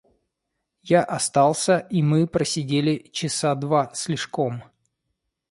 Я остался, и мы просидели часа два с лишком.